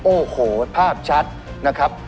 โอ้โหภาพชัดนะครับ